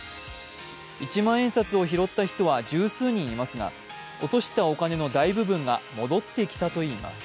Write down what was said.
一万円札を拾った人は十数人いますが、落としたお金の大部分が戻ってきたといいます。